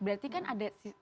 berarti kan ada